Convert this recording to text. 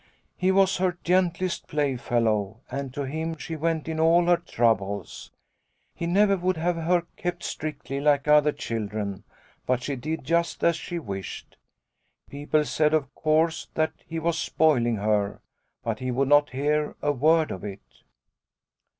He was her gentlest playfellow, and to him she went in all her troubles. He never would have her kept strictly like other children, but she did just as she wished. People said of course that he was spoiling her, but he would not hear a word of it."